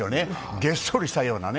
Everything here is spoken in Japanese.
げっそりしたようなね。